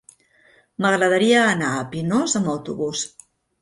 M'agradaria anar a Pinós amb autobús.